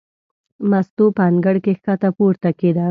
مستو په انګړ کې ښکته پورته کېده.